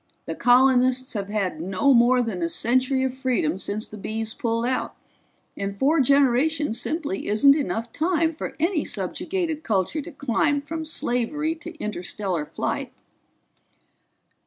The colonists have had no more than a century of freedom since the Bees pulled out, and four generations simply isn't enough time for any subjugated culture to climb from slavery to interstellar flight."